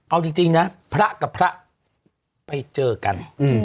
เอาจริงนะพระกับพระไปเจอกัน